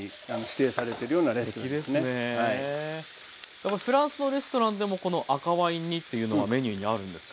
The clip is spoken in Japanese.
やっぱりフランスのレストランでもこの赤ワイン煮っていうのはメニューにあるんですか？